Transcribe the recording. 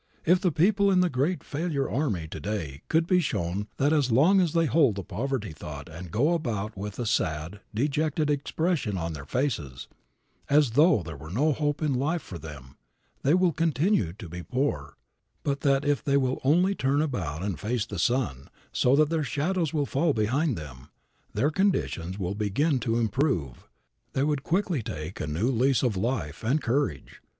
If the people in the great failure army to day could be shown that as long as they hold the poverty thought and go about with a sad, dejected expression on their faces, as though there were no hope in life for them, they will continue to be poor; but that if they will only turn about and face the sun, so that their shadows will fall behind them, their conditions will begin to improve, they would quickly take a new lease of life and courage.